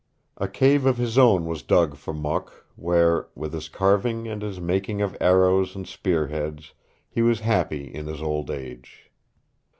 A cave of his own was dug for Mok, where, with his carving and his making of arrows and spearheads, he was happy in his old age.